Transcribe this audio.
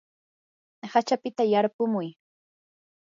hachapita yarpumuy.